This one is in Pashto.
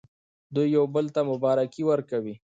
دوی یو بل ته مبارکي ورکوي.